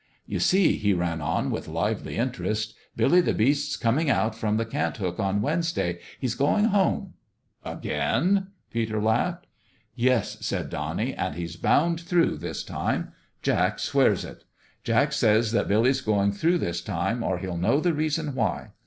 You see," he ran on, with lively interest, "Billy the Beast's coming out from the Cant hook on Wednesday. He's going home "" Again?" Peter laughed. " Yes," said Donnie ; "and he's bound through, this time. Jack swears it. Jack says that Billy's going through this time or he'll know the reason why.